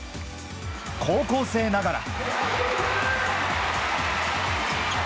高校生ながら。